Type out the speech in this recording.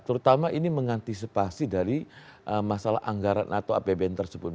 terutama ini mengantisipasi dari masalah anggaran atau apbn tersebut